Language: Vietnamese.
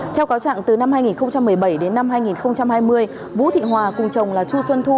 theo cáo trạng từ năm hai nghìn một mươi bảy đến năm hai nghìn hai mươi vũ thị hòa cùng chồng là chu xuân thu